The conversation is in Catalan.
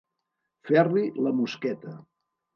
Fer-li la mosqueta.